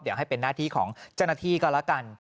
เดี๋ยวให้เป็นหน้าที่ของเจ้าหน้าที่ก็แล้วกัน